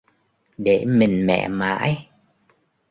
Để mình mẹ mãi